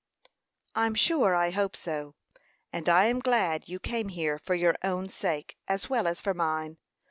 "I'm sure I hope so; and I am glad you came here for your own sake, as well as for mine.